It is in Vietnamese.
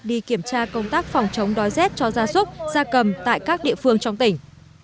đi kiểm tra công tác phòng chống đói rét cho gia súc gia cầm tại các địa phương trong tỉnh